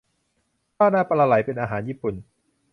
ข้าวหน้าปลาไหลเป็นอาหารญี่ปุ่น